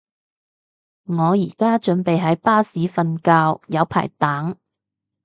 我而家準備喺巴士瞓覺，有排等